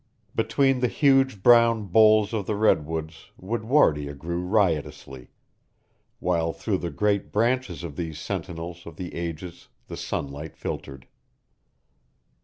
Between the huge brown boles of the redwoods woodwardia grew riotously, while through the great branches of these sentinels of the ages the sunlight filtered.